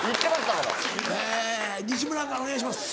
え西村からお願いします。